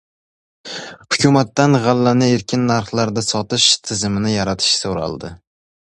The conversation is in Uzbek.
Hukumatdan g‘allani erkin narxlarda sotish tizimini yaratish so‘raldi